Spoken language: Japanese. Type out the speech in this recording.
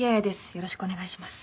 よろしくお願いします。